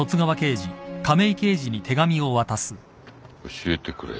「教えてくれ。